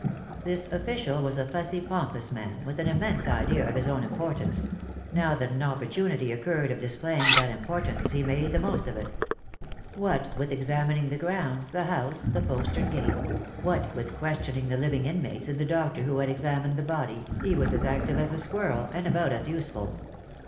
This official was a fussy, pompous man, with an immense idea of his own importance; now that an opportunity occurred of displaying that importance he made the most of it. What with examining the grounds, the house, the postern gate; what with questioning the living inmates and the doctor who had examined the body, he was as active as a squirrel, and about as useful.